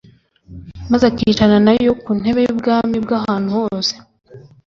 maze akicarana na yo ku ntebe y'ubwami bw' ahantu hose,